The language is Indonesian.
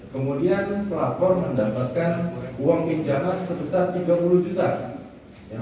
kemudian pelapor mendapatkan uang pinjaman sebesar rp tiga puluh juta